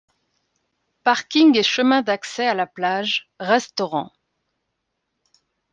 Parking et chemin d'accès à la plage, restaurant.